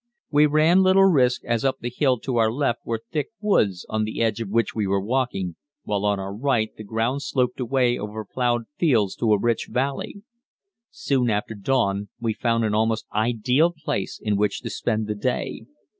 We ran little risk, as up the hill to our left were thick woods, on the edge of which we were walking, while on our right the ground sloped away over ploughed fields to a rich valley. Soon after dawn we found an almost ideal place in which to spend the day.